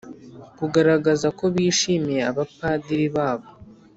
kugaragaza ko bishimiye abapadiri babo